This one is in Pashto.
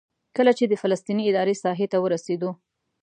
کله چې د فلسطیني ادارې ساحې ته ورسېدو.